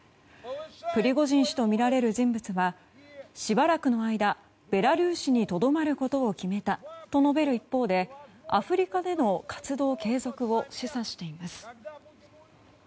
プリゴジン氏とみられる人物はしばらくの間、ベラルーシにとどまることを決めたと述べる一方でアフリカでの活動継続を示唆しています。